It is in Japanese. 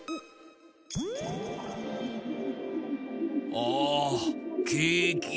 ああケーキ。